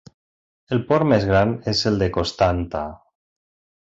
El port més gran és el de Constanta.